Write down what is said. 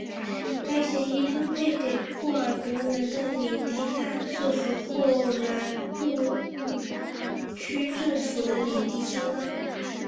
该协议分配给库尔德人的领地大致与后来库区政府的领地相当。